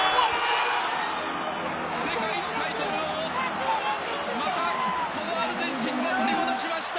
世界のタイトルを、またこのアルゼンチンが取り戻しました。